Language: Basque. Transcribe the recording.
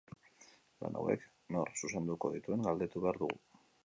Lan hauek nork zuzenduko dituen galdetu behar dugu.